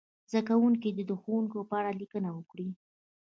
زده کوونکي دې د ښوونکي په اړه لیکنه وکړي.